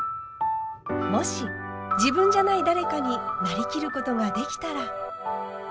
もし自分じゃない誰かになりきることができたら。